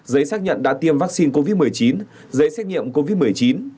giấy xác nhận đã tiêm vaccine covid một mươi chín giấy xác nhiệm covid một mươi chín